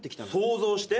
想像して？